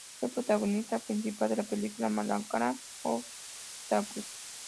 Fue protagonista principal de la película malayalam, "Out of Syllabus".